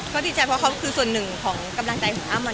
ก็ดีใจเพราะเขาคือส่วนหนึ่งของกำลังใจของอ้ำ